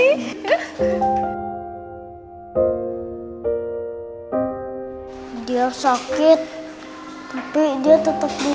itu belum seberapa bob